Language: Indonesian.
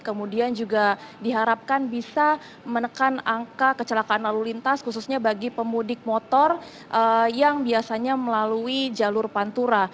kemudian juga diharapkan bisa menekan angka kecelakaan lalu lintas khususnya bagi pemudik motor yang biasanya melalui jalur pantura